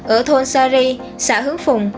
ở thôn sari xã hướng phùng